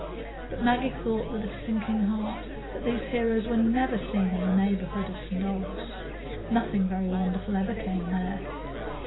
But Maggie thought with a sinking heart that these heroes were never seen in the neighbourhood of St Ogg's; nothing very wonderful ever came there.